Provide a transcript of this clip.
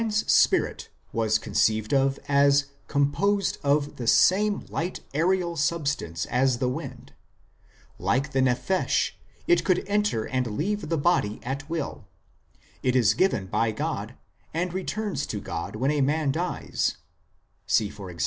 Man s spirit was conceived of as composed of the same light aerial substance as the wind ; like the nephesh it could enter and leave the body at will ; it is given by God, and returns to God when a man dies (see e.g.